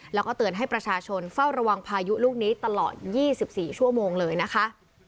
แล้วก็เตือนให้ประชาชนเฝ้าระวังพายุลูกนี้ตลอด๒๔ชั่วโมงเลยนะคะ